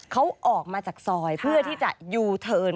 เขาออกมาจากซอยเพื่อที่จะยูเทิร์น